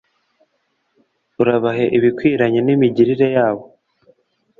Urabahe ibikwiranye n’imigirire yabo